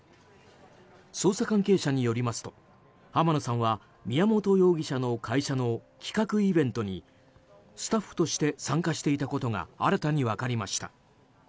捜査関係者によりますと浜野さんは宮本容疑者の会社の企画イベントにスタッフとして参加していたことが新たに分かりました。